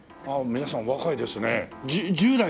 ああ皆さんお若いですね。